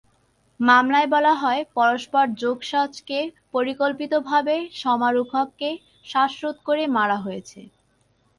মামলায় বলা হয়, পরস্পর যোগসাজশে পরিকল্পিতভাবে শামারুখকে শ্বাসরোধ করে হত্যা করা হয়েছে।